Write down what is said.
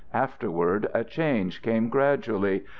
Afterward a change came gradually.